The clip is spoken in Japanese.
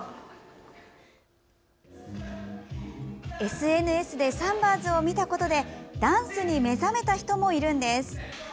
ＳＮＳで三婆ズを見たことでダンスに目覚めた人もいるんです。